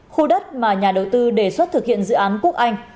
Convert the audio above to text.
khu đất mà nhà đầu tư đề xuất thực hiện dự án quốc anh